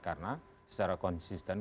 karena secara konsisten